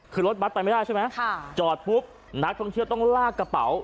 คือรถบัตรไปไม่ได้ใช่ไหมค่ะจอดปุ๊บนักท่องเที่ยวต้องลากกระเป๋า